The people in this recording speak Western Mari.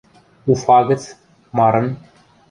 Уфа гӹц, марын.